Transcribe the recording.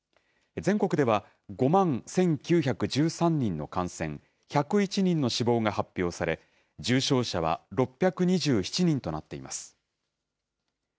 全国では５万１９１３人の感染、１０１人の死亡が発表され、重症者は６２７人となっています。